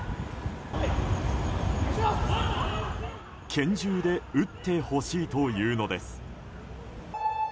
拳銃で撃ってほしいというのです。